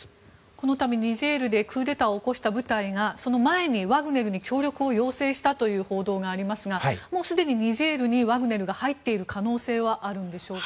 この度、ニジェールでクーデターを起こした部隊がその前にワグネルに協力を要請したという報道がありますがすでにニジェールにワグネルが入っている可能性はあるんでしょうか。